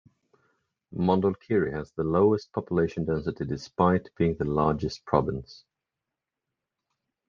Mondulkiri has the lowest population density despite being the largest province.